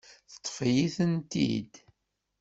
Teṭṭef-iyi-tent-id.